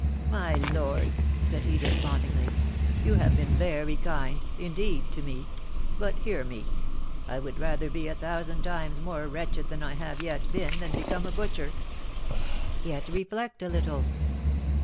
"My lord," said he, despondingly, "you have been very kind, indeed, to me; but, hear me: I would rather be a thousand times more wretched than I have yet been than become a butcher." "Yet reflect a little."